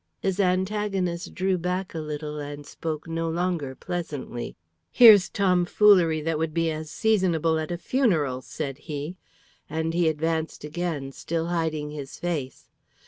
His antagonist drew back a little and spoke no longer pleasantly. "Here's tomfoolery that would be as seasonable at a funeral," said he, and he advanced again, still hiding his face.